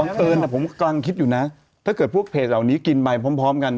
เอิญผมกำลังคิดอยู่นะถ้าเกิดพวกเพจเหล่านี้กินไปพร้อมพร้อมกัน